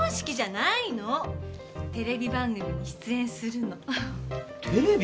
テレビ番組に出演するの。テレビ！？